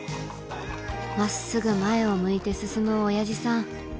真っすぐ前を向いて進むオヤジさん